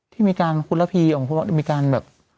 ที่มีการคุณระพีของคุณมีการแบบ